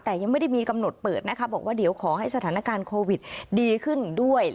แต่ยังไม่ได้มีกำหนดเปิดนะคะบอกว่าเดี๋ยวขอให้สถานการณ์โควิดดีขึ้นด้วย